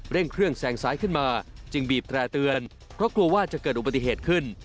เร่งเครื่องแซงซ้ายขึ้นมาจึงบีบแตร่เตือนเพราะกลัวว่าจะเกิดอุบัติเหตุขึ้น